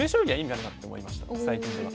最近では。